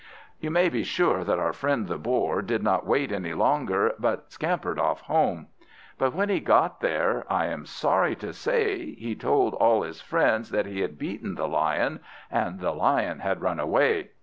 You may be sure that our friend the Boar did not wait any longer, but scampered off home. But when he got there, I am sorry to say he told all his friends he had beaten the Lion, and the Lion had run away!